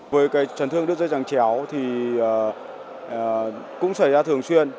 với chân thương đứt dây chẳng chéo thì cũng xảy ra thường xuyên